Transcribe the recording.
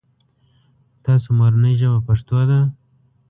تاسو مورنۍ ژبه پښتو ده ؟